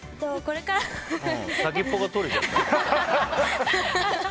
先っぽが取れちゃった。